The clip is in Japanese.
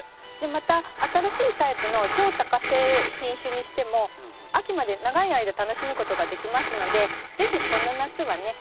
また新しいタイプの超多花性品種にしても秋まで長い間楽しむことができますので是非この夏はね